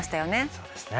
そうですね。